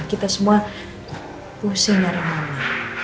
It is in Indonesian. kita semua pusing nyari mama